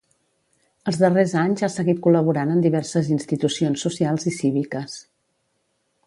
Els darrers anys ha seguit col·laborant en diverses institucions socials i cíviques.